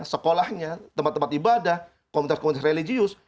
sekolahnya tempat tempat ibadah komunitas komunitas religius